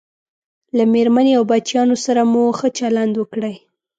له میرمنې او بچیانو سره مو ښه چلند وکړئ